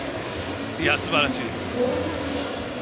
いや、すばらしい。